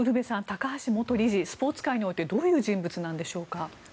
高橋元理事スポーツ界においてどういう人物なのでしょうか。